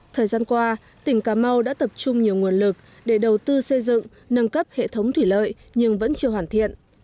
thời gian qua tỉnh cà mau đã tập trung nhiều nguồn lực để đầu tư xây dựng nâng cấp hệ thống thủy lợi nhưng vẫn chưa hoàn thiện